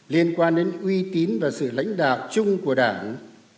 liên quan đến uy tín và sự lãnh đạo chung của đảng